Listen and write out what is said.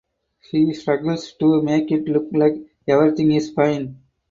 He struggles to make it look like everything is fine.